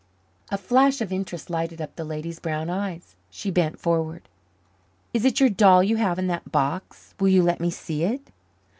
A flash of interest lighted up the lady's brown eyes. She bent forward. "Is it your doll you have in that box? Will you let me see it?"